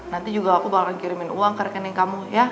nanti juga aku bakal kirimin uang ke rekening kamu ya